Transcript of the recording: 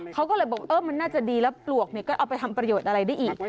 เขาก็เลยบอกเออมันน่าจะดีแล้วปลวกก็เอาไปทำประโยชน์อะไรได้อีก